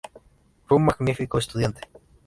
Fue un magnífico estudiante.